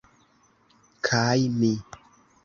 Kaj mi